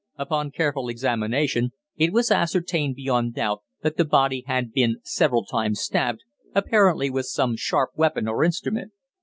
Upon careful examination it was ascertained beyond doubt that the body had been several times stabbed, apparently with some sharp weapon or instrument.